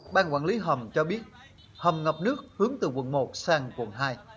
ban quản lý hầm cho biết hầm ngập nước hướng từ quận một sang quận hai